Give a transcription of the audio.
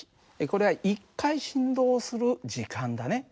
これは１回振動する時間だね。